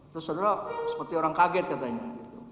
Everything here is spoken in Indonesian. terus saudara seperti orang kaget katanya